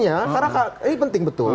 ini penting betul